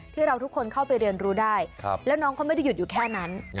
ทุกคนเข้าไปเรียนรู้ได้แล้วน้องเขาไม่ได้หยุดอยู่แค่นั้น